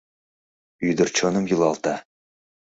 Ӱдыр чоным йӱлалта.